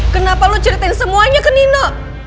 kenapa lo ceritain semuanya ke nino